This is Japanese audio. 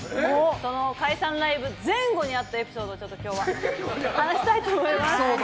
その解散ライブ前後にあったエピソードを今日は話したいと思います。